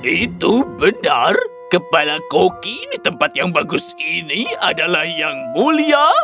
itu benar kepala koki di tempat yang bagus ini adalah yang mulia